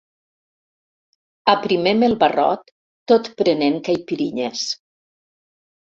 Aprimem el barrot tot prenent caipirinhes.